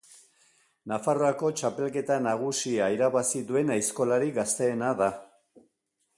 Nafarroako txapelketa nagusia irabazi duen aizkolari gazteena da.